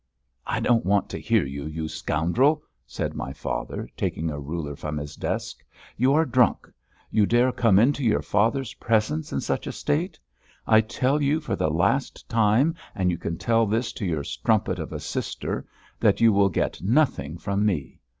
"I don't want to hear you, you scoundrel," said my father, taking a ruler from his desk. "You are drunk! You dare come into your father's presence in such a state! I tell you for the last time, and you can tell this to your strumpet of a sister, that you will get nothing from me.